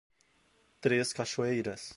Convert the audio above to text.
Três Cachoeiras